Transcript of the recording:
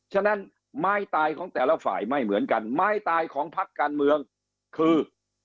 ฉะนั้นไม้ตายของแต่ละฝ่ายไม่เหมือนกันไม้ตายของพักการเมืองคือ